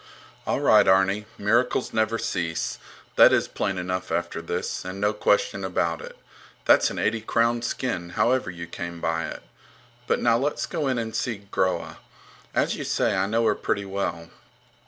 All right, Arni. Miracles never cease. That is plain enough after this, and no question about it. That's an eighty crown skin, however you came by it. But now let's go in and see Groa. As you say, I know her pretty well.